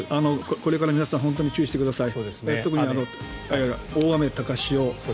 これから皆さん本当に注意してください。